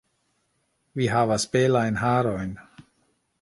Vi havas belajn harojn